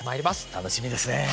楽しみですね。